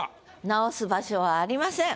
直す場所はありません。